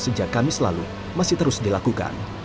sejak kamis lalu masih terus dilakukan